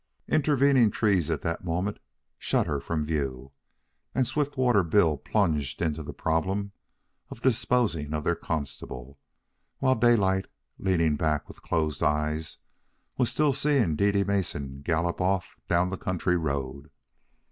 Intervening trees at that moment shut her from view, and Swiftwater Bill plunged into the problem of disposing of their constable, while Daylight, leaning back with closed eyes, was still seeing Dede Mason gallop off down the country road.